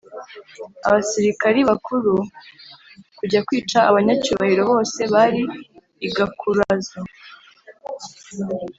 abasirikari bakuru kujya kwica abanyacyubahiro bose bari i gakurazo.